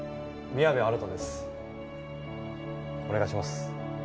お願いします。